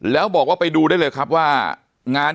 แล้วบอกว่าไปดูได้เลยครับว่างาน